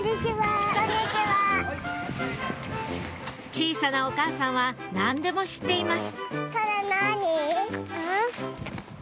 小さなお母さんは何でも知っています